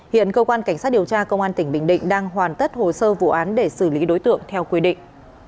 hiện cơ quan cảnh sát điều tra công an tỉnh bình định đang hoàn tất hồ sơ vụ án để xử lý đối tượng theo quy định